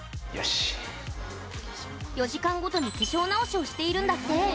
４時間ごとに化粧直しをしているんだって。